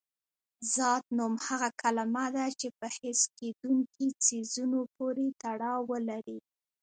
ذات نوم هغه کلمه ده چې په حس کېدونکي څیزونو پورې تړاو ولري.